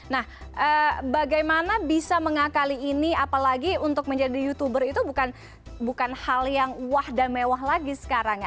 nah bagaimana bisa mengakali ini apalagi untuk menjadi youtuber itu bukan hal yang wah dan mewah lagi sekarang ya